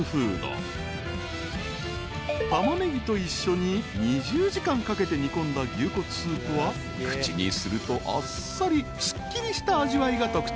［タマネギと一緒に２０時間かけて煮込んだ牛骨スープは口にするとあっさりすっきりした味わいが特徴］